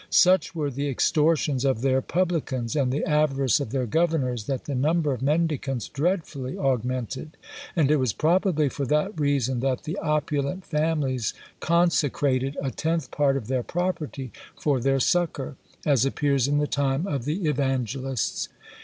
Such were the extortions of their publicans, and the avarice of their governors, that the number of mendicants dreadfully augmented; and it was probably for that reason that the opulent families consecrated a tenth part of their property for their succour, as appears in the time of the evangelists.